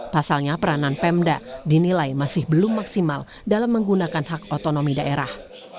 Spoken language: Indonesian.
pasalnya peranan pemda dinilai masih belum maksimal dalam menggunakan hak otonomi daerah